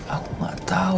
aku gak tau